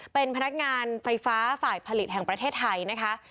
เป็นพนักงานไฟฟ้าฝ่ายผลิตแห่งประเทศไทยนะคะ